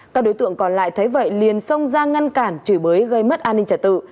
các đối tượng còn lại thấy vậy liền xông ra ngăn cản chửi bới gây mất an ninh trả tự